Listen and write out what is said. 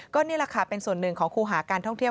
ก็นี่แหละค่ะเป็นส่วนหนึ่งของครูหาการท่องเที่ยว